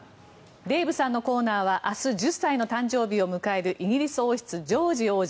デーブさんのコーナーは明日、１０歳の誕生日を迎えるイギリス王室、ジョージ王子。